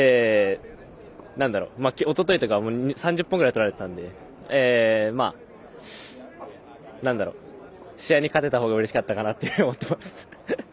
おとといとか３０本ぐらい取られてたんで試合に勝てたほうがうれしかったかなって思ってます。